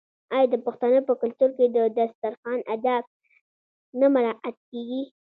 آیا د پښتنو په کلتور کې د دسترخان اداب نه مراعات کیږي؟